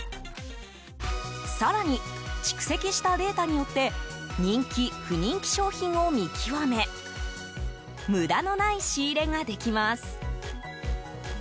更に、蓄積したデータによって人気・不人気商品を見極め無駄のない仕入れができます。